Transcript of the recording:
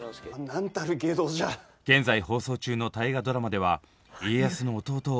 現在放送中の大河ドラマでは家康の弟を熱演しました。